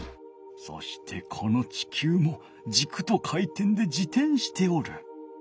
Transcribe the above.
そしてこのちきゅうもじくと回転で自転しておる。